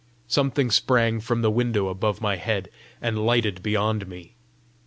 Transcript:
Something sprang from the window above my head, and lighted beyond me.